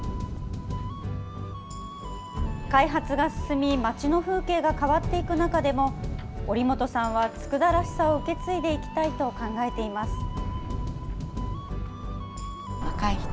開発が進み、町の風景が変わっていく中でも、折本さんは佃らしさを受け継いでいきたいと考えています。